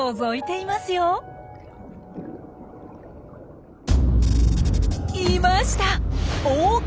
いました！